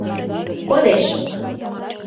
Кодеш...